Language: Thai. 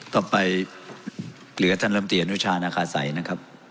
ต่อไปเหลือท่านลำตีอนุชานาคาสัยนะครับ